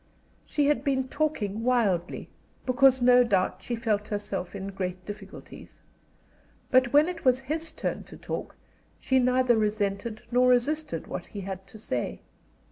She had been talking wildly, because no doubt she felt herself in great difficulties. But when it was his turn to talk she neither resented nor resisted what he had to say.